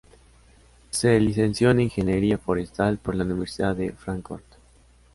Se licenció en ingeniería forestal por la Universidad de Fráncfort.